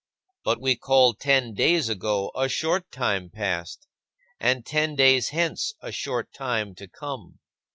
But we call ten days ago a short time past; and ten days hence a short time to come.